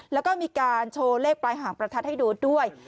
แล้วก็มีการโชว์เลขปลายหางประทัดให้ดูด้วย